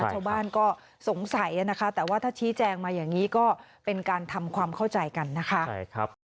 ชาวบ้านก็สงสัยนะคะแต่ว่าถ้าชี้แจงมาอย่างนี้ก็เป็นการทำความเข้าใจกันนะคะ